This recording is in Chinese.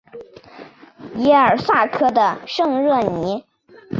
耶尔萨克的圣热尼。